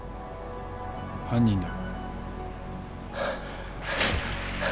犯人だ。